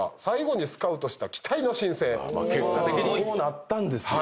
結果的にこうなったんですよ。